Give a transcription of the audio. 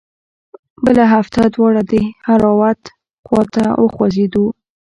بله هفته دواړه د دهراوت خوا ته وخوځېدو.